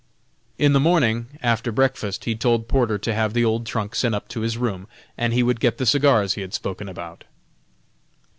In the morning, after breakfast, he told Porter to have the old trunk sent up to his room and he would get the cigars he had spoken about.